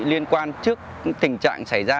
liên quan trước tình trạng xảy ra